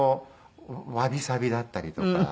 わびさびだったりとか。